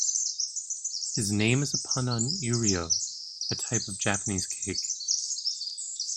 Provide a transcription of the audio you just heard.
His name is a pun on "Uiro", a type of Japanese cake.